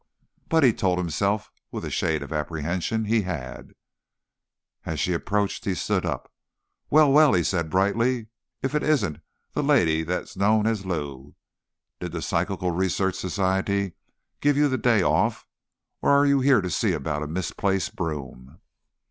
But, he told himself with a shade of apprehension, he had. As she approached, he stood up. "Well, well," he said brightly. "If it isn't the Lady That's Known as Lou. Did the Psychical Research Society give you the day off, or are you here to see about a misplaced broom?"